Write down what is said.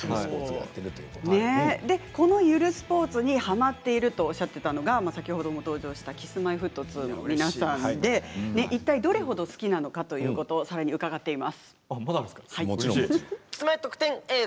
このゆるスポーツにはまっているとおっしゃっていたのが先ほども登場したＫｉｓ−Ｍｙ−Ｆｔ２の皆さんでいったいどれほど好きなのか聞いてきました。